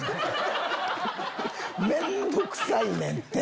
面倒くさいねんって！